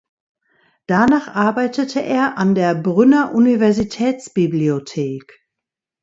Danach arbeitete er an der Brünner Universitätsbibliothek.